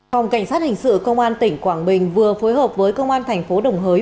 phòng cảnh sát hành sự công an tỉnh quảng bình vừa phối hợp với công an tp đồng hới